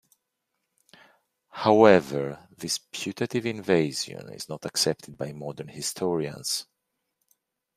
However, this putative invasion is not accepted by modern historians.